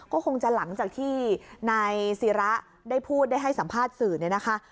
ก็คงจะหลังจากที่นายศิระได้พูดได้ให้สัมภาษณ์สื่อเนี่ยนะคะ